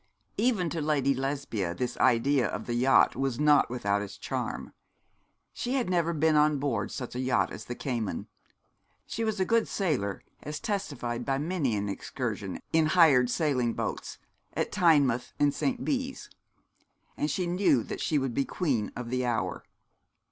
Even to Lady Lesbia this idea of the yacht was not without its charm. She had never been on board such a yacht as the Cayman; she was a good sailor, as testified by many an excursion, in hired sailing boats, at Tynemouth, and St. Bees; and she knew that she would be the queen of the hour.